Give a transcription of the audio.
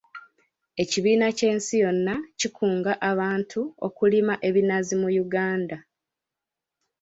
Ekibiina ky'ensi yonna kikunga abantu okulima ebinazi mu Uganda.